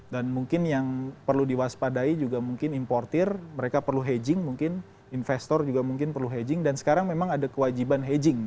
dan mungkin yang perlu diwaspadai juga mungkin importer mereka perlu hedging mungkin investor juga mungkin perlu hedging dan sekarang memang ada kewajiban hedging